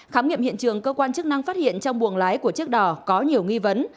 khám nghiệm hiện trường cơ quan chức năng phát hiện trong buồng lái của chiếc đò có nhiều nghi vấn